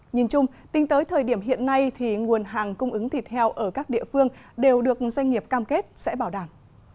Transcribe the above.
nhìn chung tính tới thời điểm hiện nay nguồn hàng cung ứng thịt heo ở các địa phương đều được doanh nghiệp cam kết sẽ bảo đảm